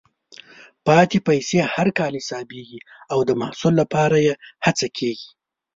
پاتې پیسې هر کال حسابېږي او د حصول لپاره یې هڅه کېږي.